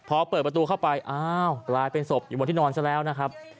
พอเปิดประตูเข้าไปอ้าวกลายเป็นศพอยู่บนที่นอนซะแล้วนะครับ